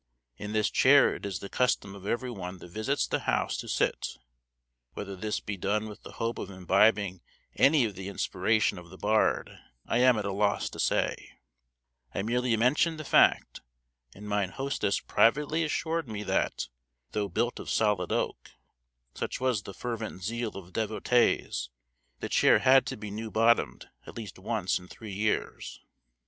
In this chair it is the custom of every one that visits the house to sit: whether this be done with the hope of imbibing any of the inspiration of the bard I am at a loss to say; I merely mention the fact, and mine hostess privately assured me that, though built of solid oak, such was the fervent zeal of devotees the chair had to be new bottomed at least once in three years.